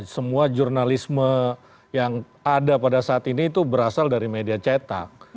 semua jurnalisme yang ada pada saat ini itu berasal dari media cetak